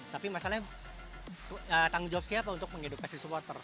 tapi masalahnya tanggung jawab siapa untuk mengedukasi supporter